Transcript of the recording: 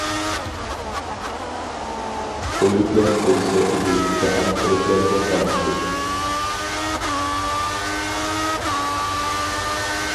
ئۆلۈكلەر ئۆلسە ئىدى، جاھان تىرىكلەرگە قالاتتى.